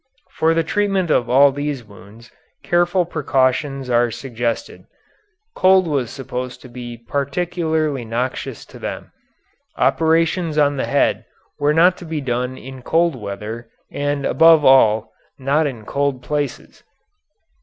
For the treatment of all these wounds careful precautions are suggested. Cold was supposed to be particularly noxious to them. Operations on the head were not to be done in cold weather and, above all, not in cold places.